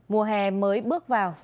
mùa hè mới bước vào